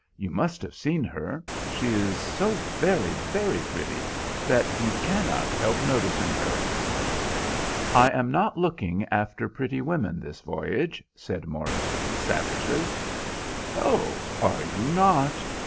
You must have seen her; she is so very, very pretty, that you cannot help noticing her." "I am not looking after pretty women this voyage," said Morris, savagely. "Oh, are you not?